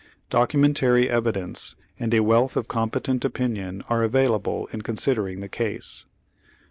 Docu mentary evidence, and a wealth of competent opinion are available in considering the case.